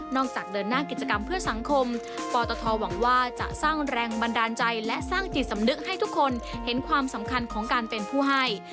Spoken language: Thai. จากเดินหน้ากิจกรรมเพื่อสังคมปตทหวังว่าจะสร้างแรงบันดาลใจและสร้างจิตสำนึกให้ทุกคนเห็นความสำคัญของการเป็นผู้ให้